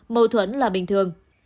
mâu thuẫn là bình thường